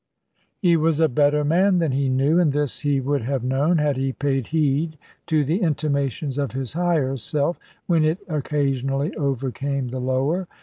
He was a better man than he knew, and this he would have known, had he paid heed to the intimations of his higher self, when it occasionally overcame the lower.